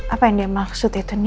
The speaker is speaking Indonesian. apa yang dia maksud itu